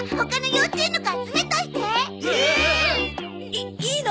いいいの？